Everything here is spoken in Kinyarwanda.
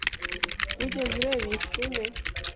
Wigeze ureba iyi film?